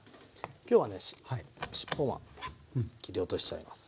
今日はねしっぽは切り落としちゃいます。